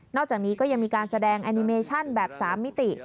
อกจากนี้ก็ยังมีการแสดงแอนิเมชั่นแบบ๓มิติ